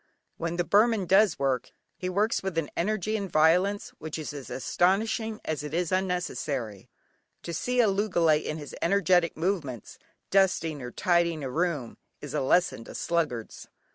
When the Burman does work, he works with an energy and violence which is as astonishing as it is unnecessary. To see a loogalay in his energetic movements, dusting or tidying a room is a lesson to sluggards.